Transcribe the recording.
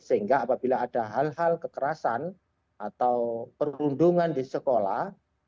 sehingga apabila ada hal hal kekerasan atau perundungan di sekolah